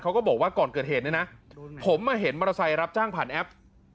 ก็บอกว่าก่อนเกิดเหตุเนี่ยนะผมมาเห็นมอเตอร์ไซค์รับจ้างผ่านแอป